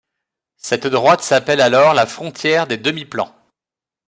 Cette droite s'appelle alors la frontière des demi-plans.